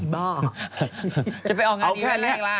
บ้าจะไปออกงานอีเวนต์แล้วกันล่ะ